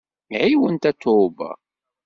Ɛiwen Tatoeba!